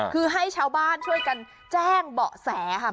คือให้ชาวบ้านช่วยกันแจ้งเบาะแสค่ะ